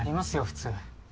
普通。